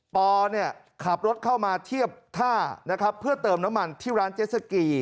ปอเนี่ยขับรถเข้ามาเทียบท่านะครับเพื่อเติมน้ำมันที่ร้านเจสสกี